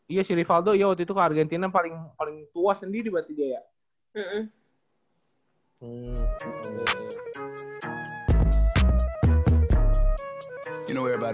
iya si rifaldo waktu itu ke argentina paling tua sendiri waktu itu ya